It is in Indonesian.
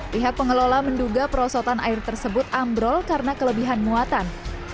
pihak pengelola menduga perosotan air tersebut ambrol karena kelebihan muatan